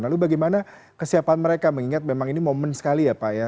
lalu bagaimana kesiapan mereka mengingat memang ini momen sekali ya pak ya